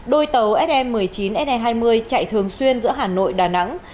đôi tàu se một mươi chín se hai mươi chạy thường xuyên giữa hà nội đà nẵng